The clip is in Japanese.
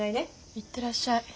行ってらっしゃい。